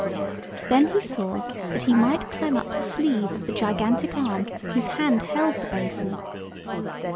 Then he saw that he might climb up the sleeve of the gigantic arm whose hand held the basin.